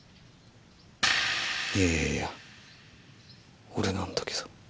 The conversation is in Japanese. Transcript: いやいやいや俺なんだけど。